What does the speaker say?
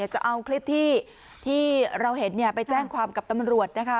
จะเอาคลิปที่เราเห็นไปแจ้งความกับตำรวจนะคะ